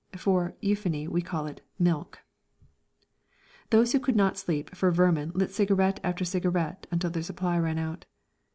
(For euphony we called it "milk.") Those who could not sleep for vermin lit cigarette after cigarette until their supply ran out.